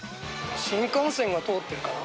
新幹線が通ってるから。